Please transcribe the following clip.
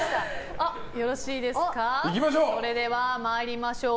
それでは参りましょう。